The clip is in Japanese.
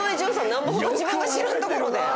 何ぼほど自分が知らんところで。